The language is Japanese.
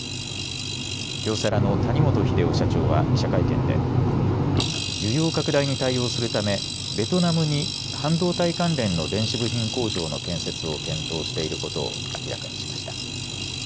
京セラの谷本秀夫社長は記者会見で需要拡大に対応するためベトナムに半導体関連の電子部品工場の建設を検討せることを明らかにしました。